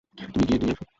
তুমি গিয়ে নিয়ে আসো।